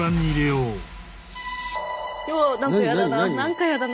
うわ何かやだな。